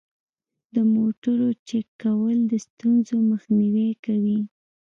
د موټرو چک کول د ستونزو مخنیوی کوي.